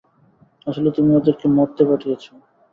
আসলে, তুমি ওদেরকে মরতে পাঠিয়েছ।